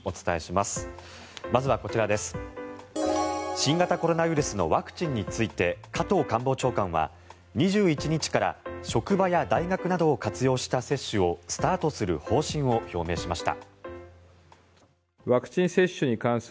新型コロナウイルスのワクチンについて加藤官房長官は２１日から職場や大学などを活用した接種をスタートする方針を表明しました。